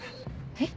えっ？